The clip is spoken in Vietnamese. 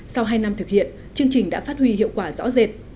sau hai năm thực hiện chương trình đã phát huy hiệu quả rõ rệt